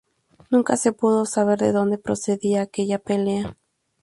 Nunca se pudo saber de donde procedía aquella pelea.